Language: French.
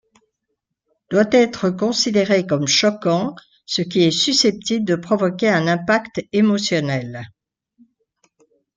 Doit être considéré comme choquant ce qui est susceptible de provoquer un impact émotionnel.